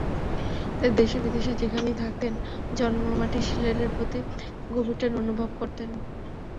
তাই দেশে-বিদেশে যেখানেই থাকতেন, জন্মমাটি সিলেটের প্রতি গভীর টান অনুভব করতেন।